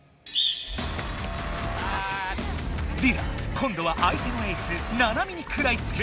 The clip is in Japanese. リラ今度は相手のエースナナミにくらいつく。